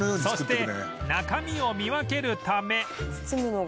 そして中身を見分けるため